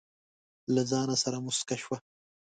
له ځانه سره موسکه شوه.